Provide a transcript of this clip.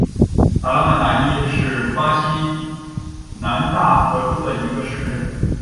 特拉曼达伊是巴西南大河州的一个市镇。